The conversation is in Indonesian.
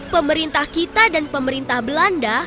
pemerintah kita dan pemerintah belanda